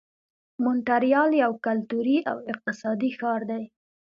مونټریال یو کلتوري او اقتصادي ښار دی.